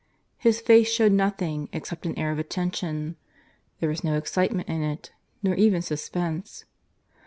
His face showed nothing except an air of attention; there was no excitement in it, nor even suspense.